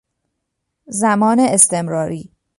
زمان استمراری